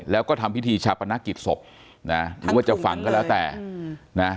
แล้วก็ทำพิธีชาปนกิจศพนะหรือว่าจะฝังก็แล้วแต่นะ